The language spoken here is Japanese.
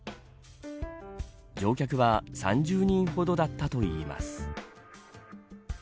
乗客は３０人ほどだったといいます。